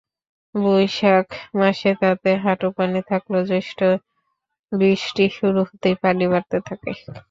বৈশাখ মাসে তাতে হাঁটুপানি থাকলেও জ্যৈষ্ঠে বৃষ্টি শুরু হতেই পানি বাড়তে থাকে।